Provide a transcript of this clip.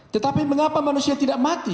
tetapi mengapa manusia tidak mati